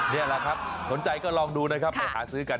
นี่แหละครับสนใจก็ลองดูนะครับไปหาซื้อกัน